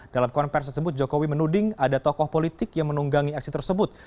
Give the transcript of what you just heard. dalam konversi tersebut jokowi menuding ada tokoh politik yang menunggangi aksi tersebut